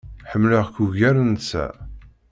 Ḥemmleɣ-k ugar netta.